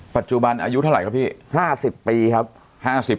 ปัจจุบันอายุเท่าไหร่ครับพี่๕๐ปีครับ